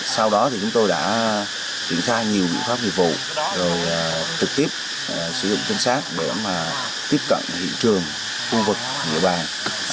sau đó chúng tôi đã kiểm tra nhiều biện pháp hiệu vụ trực tiếp sử dụng kiên sát để tiếp cận hiện trường khu vực địa bàn